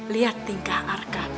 lihat tingkah arka